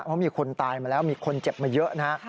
เพราะมีคนตายมาแล้วมีคนเจ็บมาเยอะนะฮะ